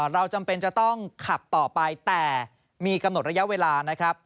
เราจำเป็นจะต้องขับต่อไปแต่มีกำหนดระยะเวลานะครับ